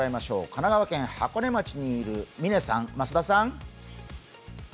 神奈川県箱根町にいる嶺さん、増田さん。